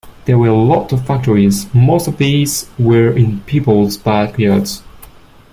There were a lot of factories; most of these were in people's backyards.